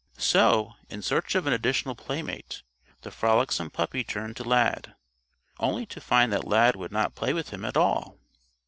So, in search of an additional playmate, the frolicsome puppy turned to Lad, only to find that Lad would not play with him at all.